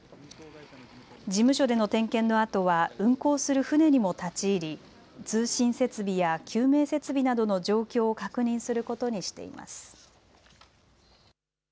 事務所での点検のあとは運航する船にも立ち入り通信設備や救命設備などの状況を確認することにしています。